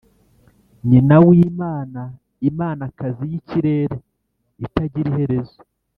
nyina w’imana; imanakazi y’ikirere; itagira iherezo